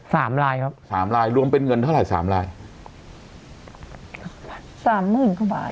สามลายครับสามลายรวมเป็นเงินเท่าไหร่สามลายสามหมื่นกว่าบาท